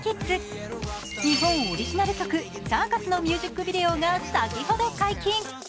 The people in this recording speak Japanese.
日本オリジナル曲「ＣＩＲＣＵＳ」のミュージックビデオが先ほど解禁。